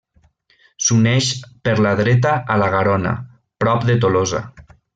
S'uneix per la dreta a la Garona, prop de Tolosa.